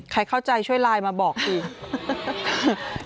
ใครเข้าใจช่วยไลน์มาบอกที